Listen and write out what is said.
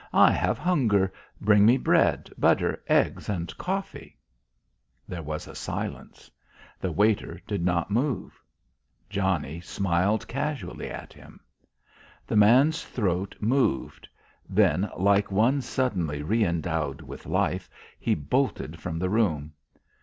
"I have hunger. Bring me bread, butter, eggs and coffee." There was a silence; the waiter did not move; Johnnie smiled casually at him. The man's throat moved; then like one suddenly re endowed with life, he bolted from the room.